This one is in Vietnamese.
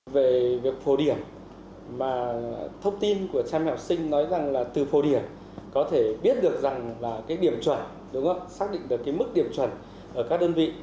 về việc phổ điểm mà thông tin của cha mẹ học sinh nói rằng là từ phổ điểm có thể biết được rằng là cái điểm chuẩn đúng không xác định được cái mức điểm chuẩn ở các đơn vị